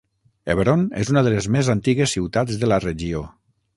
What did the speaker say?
Hebron és una de les més antigues ciutats de la regió.